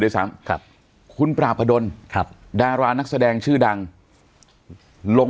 ด้วยซ้ำครับคุณปราบพดลครับดารานักแสดงชื่อดังลง